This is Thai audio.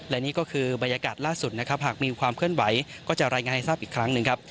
และนี่ก็คือบรรยากาศล่าสุดนะครับหากมีความเคลื่อนไหวก็จะรายงานให้ทราบอีกครั้งหนึ่งครับ